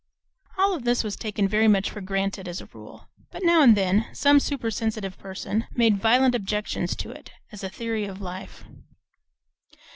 All this was taken very much for granted, as a rule, but now and then some supersensitive person made violent objections to it, as a theory of life.